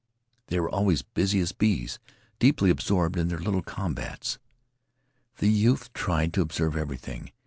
They were always busy as bees, deeply absorbed in their little combats. The youth tried to observe everything.